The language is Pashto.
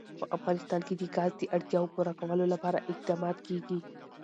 په افغانستان کې د ګاز د اړتیاوو پوره کولو لپاره اقدامات کېږي.